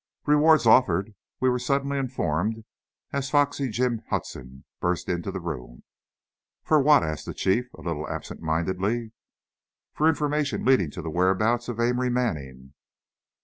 "Reward's offered," we were suddenly informed, as Foxy Jim Hudson burst into the room. "For what?" asked the Chief, a little absent mindedly. "For information leading to the whereabouts of Amory Manning."